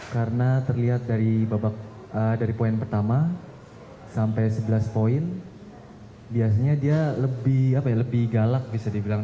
karena terlihat dari poin pertama sampai sebelas poin biasanya dia lebih galak bisa dibilang